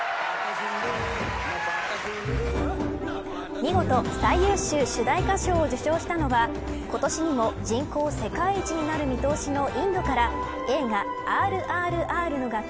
見事最優秀主題歌賞を受賞したのは今年にも人口世界一になる見通しのインドから映画ＲＲＲの楽曲